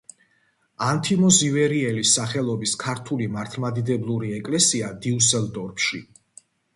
ანთიმოზ ივერიელის სახელობის ქართული მართლმადიდებლური ეკლესია დიუსელდორფში.